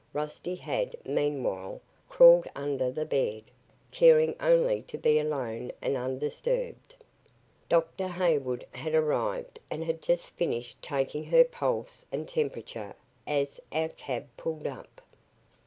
Rusty had, meanwhile, crawled under the bed, caring only to be alone and undisturbed. Dr. Hayward had arrived and had just finished taking her pulse and temperature as our cab pulled up.